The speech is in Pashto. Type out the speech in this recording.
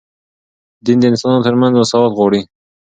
دین د انسانانو ترمنځ مساوات غواړي